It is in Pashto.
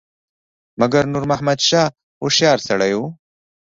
مګر نور محمد شاه هوښیار سړی وو.